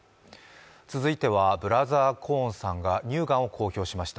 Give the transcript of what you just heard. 続いては、ブラザー・コーンさんが乳がんを公表しました。